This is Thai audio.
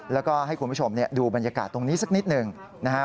แล้วก็ให้คุณผู้ชมดูบรรยากาศตรงนี้สักนิดหนึ่งนะครับ